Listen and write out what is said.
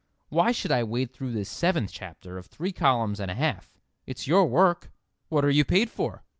Why should I wade though this seventh chapter of three columns and a half? It's your work. What are you paid for?"